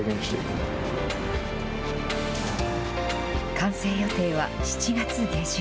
完成予定は７月下旬。